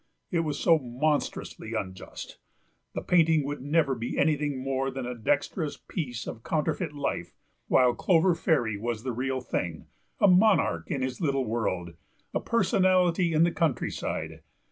It was so monstrously unjust; the painting would never be anything more than a dexterous piece of counterfeit life, while Clover Fairy was the real thing, a monarch in his little world, a personality in the countryside.